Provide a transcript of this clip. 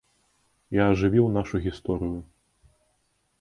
Я ажывіў нашу гісторыю.